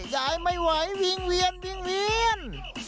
ยายไม่ไหววิ่งเวียนวิ่งเวียน